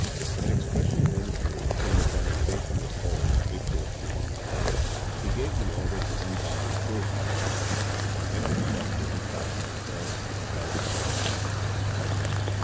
An expression of inquiry came upon the faces of all when Victor appeared. He gave the order to unbind the prisoners, and went himself to unfasten the cords that held Clara in her chair.